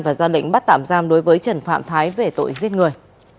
và ra lệnh bắt tạm giam đối với trần phạm thái về tội giết người